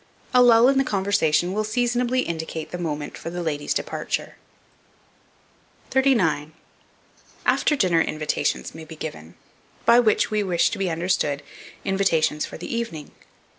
A lull in the conversation will seasonably indicate the moment for the ladies' departure. 39. AFTER DINNER INVITATIONS MAY BE GIVEN; by which we wish to be understood, invitations for the evening.